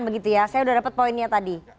saya sudah dapat poinnya tadi